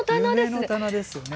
夢の棚ですよね。